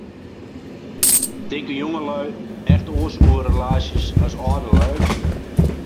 Tinke jongelju echt oars oer relaasjes as âldelju?